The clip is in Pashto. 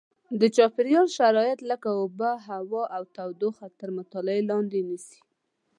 د چاپېریال شرایط لکه اوبه هوا او تودوخه تر مطالعې لاندې نیسي.